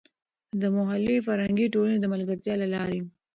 د محلي فرهنګي ټولنې د ملګرتیا له لارې.